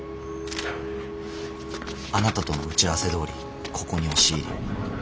あなたとの打ち合わせどおりここに押し入り。